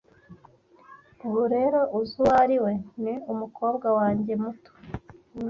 Ubu rero uzi uwo ari we, ni umukobwa wanjye muto.